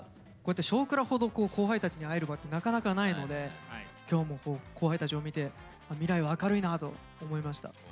こうやって「少クラ」ほど後輩たちに会える場ってなかなかないので今日も後輩たちを見て未来は明るいなと思いました。